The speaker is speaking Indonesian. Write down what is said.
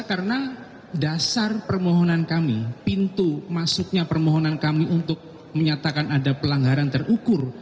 karena dasar permohonan kami pintu masuknya permohonan kami untuk menyatakan ada pelanggaran terukur